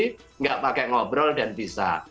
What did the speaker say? tidak pakai ngobrol dan bisa